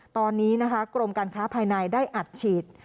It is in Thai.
ตอนนี้นะคะกรมการค้าภายในได้อัดฉีด